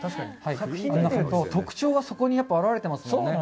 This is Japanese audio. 作品見てると、特徴が表れてますよね。